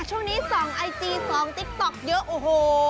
ช่วงนี้๒ไอจี๒ติ๊กต็อกเยอะโอ้โห